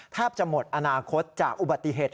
แทบจะหมดอนาคตจากอุบัติเหตุ